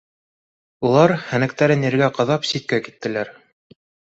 Улар, һәнәктәрен ергә ҡаҙап, ситкә киттеләр